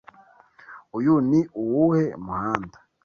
Uyu ni uwuhe muhanda?